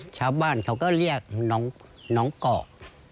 ชาวบ้านเขาก็เรียกน้องเกาะ